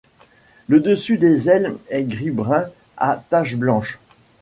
Le dessus des ailes est gris-brun à taches blanches.